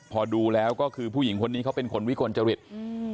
พอดูแล้วก็คือผู้หญิงคนนี้เขาเป็นคนวิกลจริตอืม